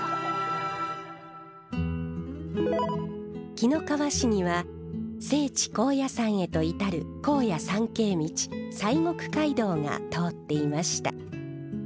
紀の川市には聖地高野山へと至る高野参詣道西国街道が通っていました。